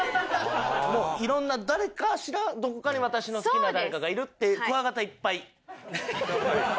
もう色んな誰かしらどこかに私の好きな誰かがいるってクワガタいっぱい。